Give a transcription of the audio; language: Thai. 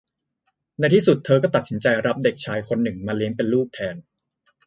ในที่สุดเธอก็ตัดสินใจรับเด็กชายคนหนึ่งมาเลี้ยงเป็นลูกแทน